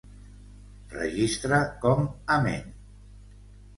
Registre com amén.